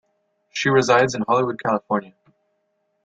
She resides in Hollywood, California.